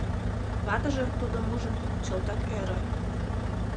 Ватыже, тудым ужын, чылтак ӧрӧ.